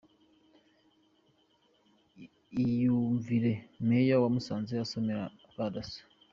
Iyumvire Meya wa Musanze asomera ba Dasso .